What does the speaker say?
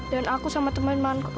dan aku sama teman teman aku